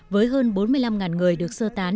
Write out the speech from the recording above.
với hơn bốn mươi năm người được sơ tán